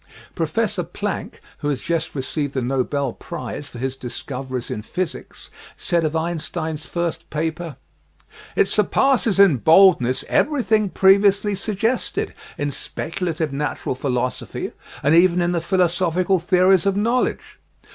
Professor Planck, who has just received the Nobel Prize for his discoveries in physics, said of Einstein's first paper : It surpasses in boldness everything previously sug gested in speculative natural philosophy and even in the philosophical theories of knowledge.